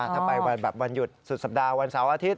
ถ้าไปวันแบบวันหยุดสุดสัปดาห์วันเสาร์อาทิตย